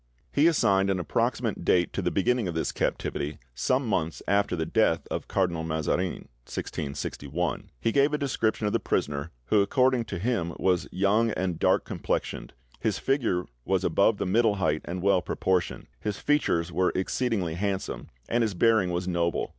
He assigned an approximate date to the beginning of this captivity, "some months after the death of Cardinal Mazarin" (1661); he gave a description of the prisoner, who according to him was "young and dark complexioned; his figure was above the middle height and well proportioned; his features were exceedingly handsome, and his bearing was noble.